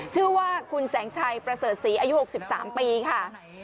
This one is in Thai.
ชื่อว่าคุณแสงชัยประเสริฐศรีอายุ๖๓ปีค่ะ